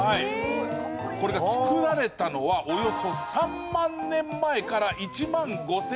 これが作られたのはおよそ３万年前から１万５０００年前のもの。